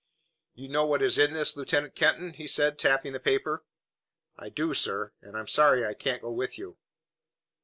"You know what is in this, Lieutenant Kenton?" he said, tapping the paper. "I do, sir, and I'm sorry I can't go with you."